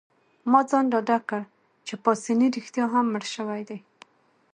ما ځان ډاډه کړ چي پاسیني رښتیا هم مړی شوی دی.